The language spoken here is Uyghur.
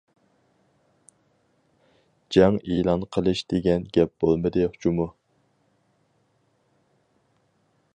جەڭ ئېلان قىلىش دېگەن گەپ بولمىدى جۇمۇ!